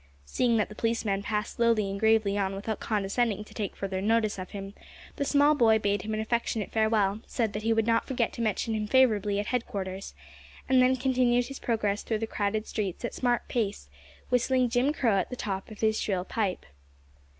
Seeing that the policeman passed slowly and gravely on without condescending to take further notice of him, the small boy bade him an affectionate farewell; said that he would not forget to mention him favourably at head quarters, and then continued his progress through the crowded streets at a smart pace, whistling Jim Crow at the top of his shrill pipe.